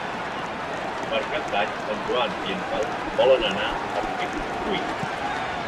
Per Cap d'Any en Joan i en Telm volen anar a Rupit i Pruit.